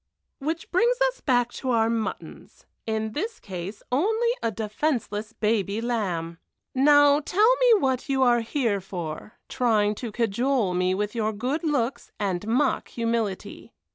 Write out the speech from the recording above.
_'" "Which brings us back to our muttons in this case only a defenceless baby lamb. Now tell me what you are here for, trying to cajole me with your good looks and mock humility."